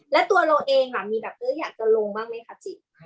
แล้วตัวเราเองมีแบบเอออยากจะลงบ้างไหมคะจิ